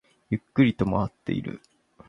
ゆっくりと回っている